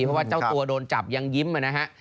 เพราะว่าเจ้าตัวโดนจับยังยิ้มนะฮะ